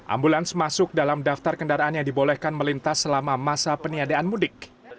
ambulans masuk dalam daftar kendaraan yang dibolehkan melintas selama masa peniadaan mudik